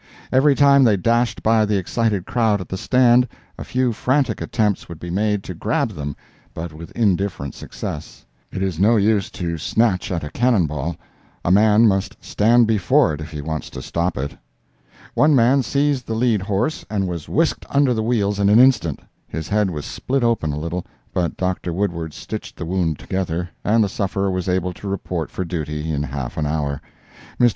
Every time they dashed by the excited crowd at the stand, a few frantic attempts would be made to grab them, but with indifferent success; it is no use to snatch at a cannon ball—a man must stand before it if he wants to stop it. One man seized the lead horse, and was whisked under the wheels in an instant. His head was split open a little, but Dr. Woodward stitched the wound together, and the sufferer was able to report for duty in half an hour. Mr.